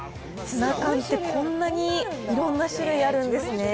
ツナ缶ってこんなに、いろんな種類あるんですね。